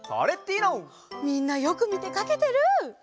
みんなよくみてかけてる！